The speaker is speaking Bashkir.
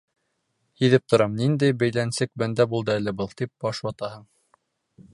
Һиҙеп торам, ниндәй бәйләнсек бәндә булды әле был, тип баш ватаһың.